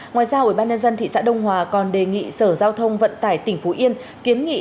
ngoài ra ubnd thị xã đông hòa còn đề nghị sở giao thông vận tải tỉnh phú yên kiến nghị